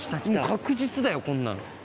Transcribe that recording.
確実だよこんなん。